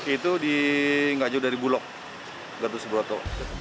itu di enggak jauh dari gulog gatus broto